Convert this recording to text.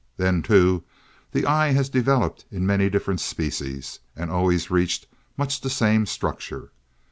Then too, the eye has developed in many different species, and always reached much the same structure.